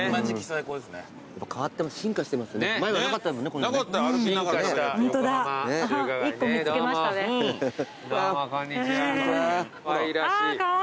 かわいらしい。